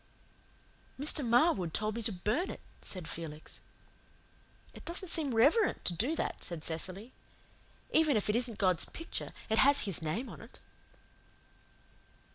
"Mr. Marwood told me to burn it," said Felix. "It doesn't seem reverent to do that," said Cecily. "Even if it isn't God's picture, it has His name on it."